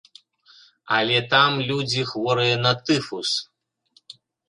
Але там людзі хворыя на тыфус.